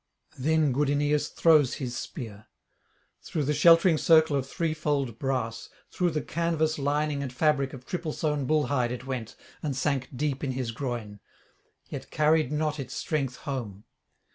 Then good Aeneas throws his spear; through the sheltering circle of threefold brass, through the canvas lining and fabric of triple sewn bull hide it went, and sank deep in his groin; yet carried not its strength home.